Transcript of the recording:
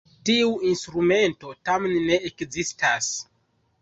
Tiu instrumento tamen ne ekzistas.